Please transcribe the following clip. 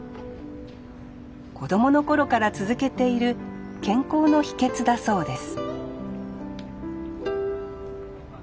子供の頃から続けている健康の秘けつだそうです